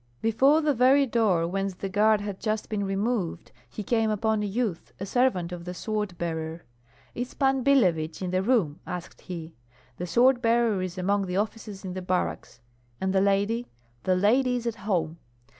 Before the very door whence the guard had just been removed, he came upon a youth, a servant of the sword bearer. "Is Pan Billevich in the room?" asked he. "The sword bearer is among the officers in the barracks." "And the lady?" "The lady is at home."